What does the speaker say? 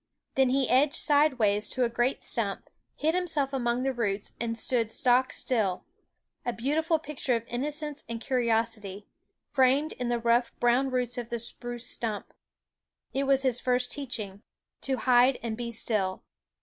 Then he edged sidewise to a great stump, hid himself among the roots, and stood stock still, a beautiful picture of inno cence and curiosity, framed in the rough brown roots of the spruce stump. It was his first teaching, to hide and be still.